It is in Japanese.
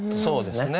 そうですね。